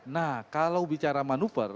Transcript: nah kalau bicara manuver